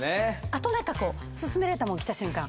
あと何かこうすすめられたもん着た瞬間